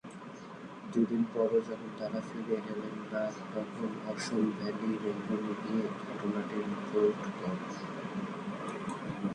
দুদিন পরও যখন তারা ফিরে এলেন না, তখন অসম ভ্যালি রেঙ্গুনে গিয়ে ঘটনাটি রিপোর্ট করে।